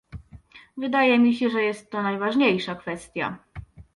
Wydaje mi się, że jest to najważniejsza kwestia